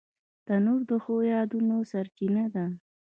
تنور د ښو یادونو سرچینه ده